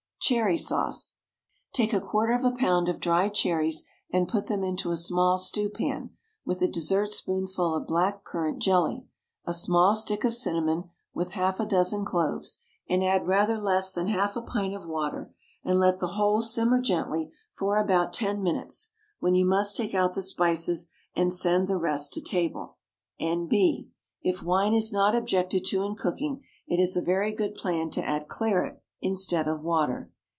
CHERRY SAUCE. Take a quarter of a pound of dried cherries, and put them into a small stew pan, with a dessertspoonful of black currant jelly, a small stick of cinnamon, with half a dozen cloves, and add rather less than half a pint of water, and let the whole simmer gently for about ten minutes, when you must take out the spices and send the rest to table. N.B. If wine is not objected to in cooking, it is a very good plan to add claret instead of water.